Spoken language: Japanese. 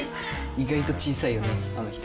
意外と小さいよねあの人。